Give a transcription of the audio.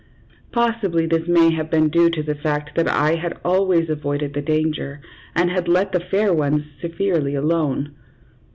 Possibly this may have been due to the fact that I had always avoided the danger, and had let the fair ones severely alone.